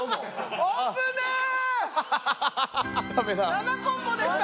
７コンボでした。